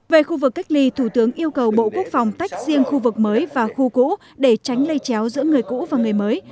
về khu vực cách ly thủ tướng yêu cầu bộ quốc phòng tách riêng khu vực mới và khu cũ để tránh lây chéo giữa người cũ và người mới